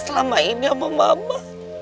selama ini sama mama